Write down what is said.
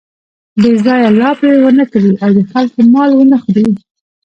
بې ځایه لاپې و نه کړي او د خلکو مال و نه خوري.